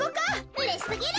うれしすぎる。